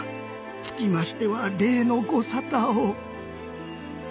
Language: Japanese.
つきましては例のご沙汰を。